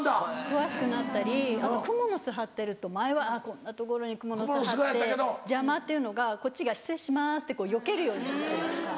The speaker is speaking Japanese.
詳しくなったりあとクモの巣張ってると前は「こんな所にクモの巣張って邪魔」っていうのがこっちが「失礼します」ってこうよけるようになったりとか。